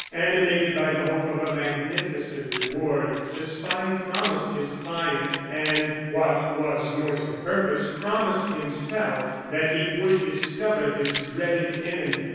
Animated by the hope of a magnificent reward, the spy promised his client, and what was more to the purpose promised himself, that he would discover this dreaded enemy.